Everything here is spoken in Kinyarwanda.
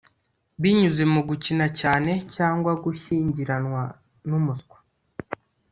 Binyuze mu gukina cyane cyangwa gushyingiranwa numuswa